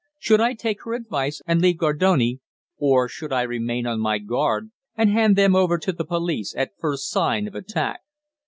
Should I take her advice and leave Gardone, or should I remain on my guard, and hand them over to the police at first sign of attack?